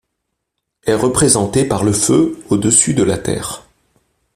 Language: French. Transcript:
est représenté par le feu audessus de la terre.